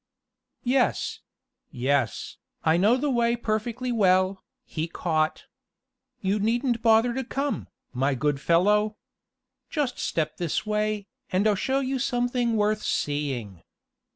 "Yes yes, I know the way in perfectly well," he caught. "You needn't bother to come, my good fellow. Just step this way, and I'll show you something worth seeing."